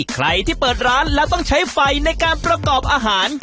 ใครที่เปิดร้านแล้วต้องใช้ไฟในการประกอบอาหาร